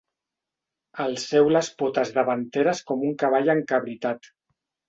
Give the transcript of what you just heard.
Alceu les potes davanteres com un cavall encabritat.